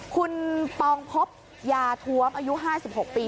คุณปองพบยาท้วมอายุ๕๖ปี